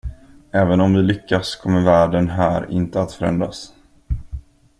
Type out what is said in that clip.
Även om vi lyckas kommer världen här inte att förändras.